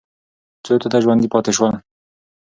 څو تنه ژوندي پاتې سول؟